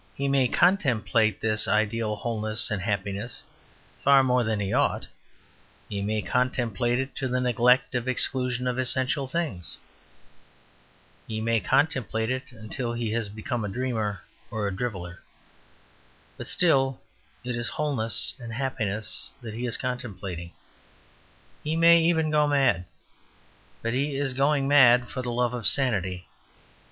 He may contemplate this ideal wholeness and happiness far more than he ought; he may contemplate it to the neglect of exclusion of essential THINGS; he may contemplate it until he has become a dreamer or a driveller; but still it is wholeness and happiness that he is contemplating. He may even go mad; but he is going mad for the love of sanity.